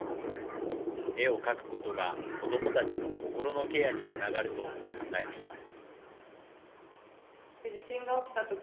絵を描くことが、子どもたちの心のケアにつながると考えています。